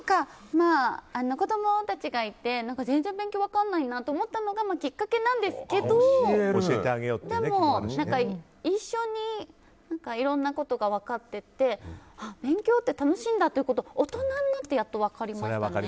子供たちがいて全然、勉強分かんないなと思ったのがきっかけなんですけどでも、一緒にいろんなことが分かっていって勉強って楽しいんだっていうことを大人になってやっと分かりましたね。